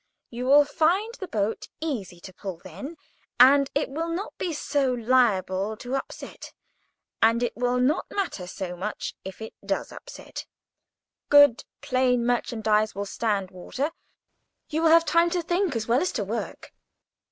You will find the boat easier to pull then, and it will not be so liable to upset, and it will not matter so much if it does upset; good, plain merchandise will stand water. You will have time to think as well as to work.